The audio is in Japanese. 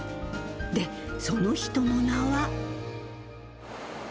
で、その人の名は。